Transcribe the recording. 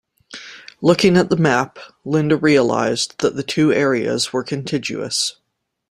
Looking at the map, Linda realised that the two areas were contiguous.